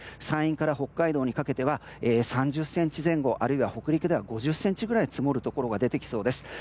山陰から北海道にかけて３０ｃｍ前後、あるいは北陸では５０ｃｍくらい積もるところが出てきそうです。